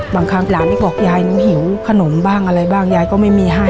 บางครั้งหลานก็บอกยายหนูหิวขนมบ้างอะไรบ้างยายก็ไม่มีให้